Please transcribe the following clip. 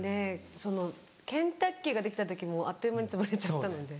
そのケンタッキーができた時もあっという間につぶれちゃったので。